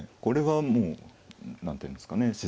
これはもうなんていうんですかね。